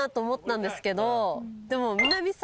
でも。